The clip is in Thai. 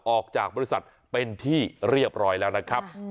ออกจากบริษัทเป็นที่เรียบร้อยแล้วนะครับ